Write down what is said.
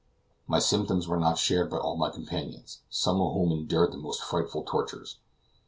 My symptoms were not shared by all my companions, some of whom endured the most frightful tortures.